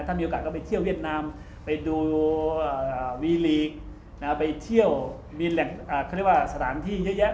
ถ้ามีโอกาสก็ไปเที่ยวเวียดนามไปดูวีลีกไปเที่ยวสถานที่เยอะ